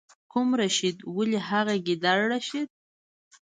کوم رشید؟ ولې هغه ګیدړ رشید.